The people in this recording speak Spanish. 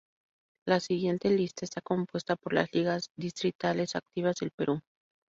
La siguiente lista está compuesta por las ligas distritales activas del Perú.